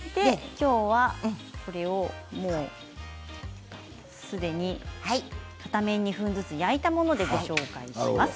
きょうは、すでに片面２分ずつ焼いたものでご紹介します。